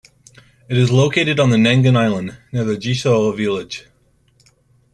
It is located on the Nangan Island, near the Jieshou Village.